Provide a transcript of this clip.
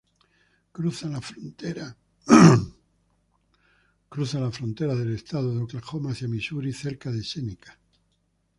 Cruza la frontera del estado de Oklahoma hacia Missouri cerca de Seneca.